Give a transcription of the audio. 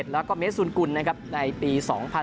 แล้วก็เมซูนกุลในปี๒๐๑๖๒๐๑๗